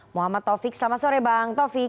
muhammad taufik selamat sore bang taufik